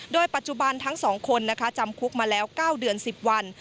โดยปัจจุบันทั้ง๒คนจำคุกมาแล้ว๙เดือน๑๐วัน